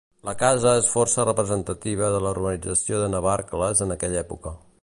La casa és força representativa de la urbanització de Navarcles en aquella època.